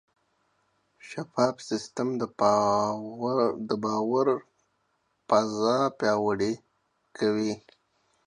شفاف سیستم د باور فضا پیاوړې کوي.